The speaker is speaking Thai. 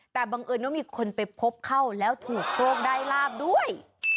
แต่บังเอิญว่ามีคนไปพบเข้าแล้วถูกโชคได้ลาบด้วย